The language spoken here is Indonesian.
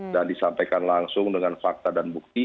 dan disampaikan langsung dengan fakta dan bukti